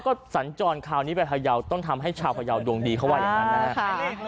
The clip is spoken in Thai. ก็สัญจรคราวนี้ไปพยาวต้องทำให้ชาวพยาวดวงดีเขาว่าอย่างนั้นนะครับ